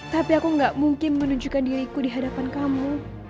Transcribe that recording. tapi aku gak mungkin menunjukkan diriku di hadapan kamu